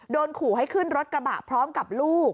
ขู่ให้ขึ้นรถกระบะพร้อมกับลูก